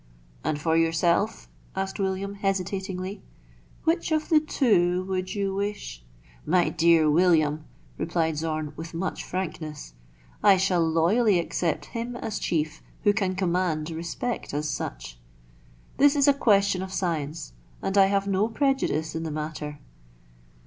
" And for yourself," asked William, hesitatingly, " which of the two would you wish "" My dear William," replied Zorn with much frankness, " I shall loyally accept him as chief who can command respect as such. This is a question of science, and I have no prejudice in the matter.